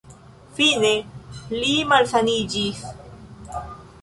Fine, li malsaniĝis.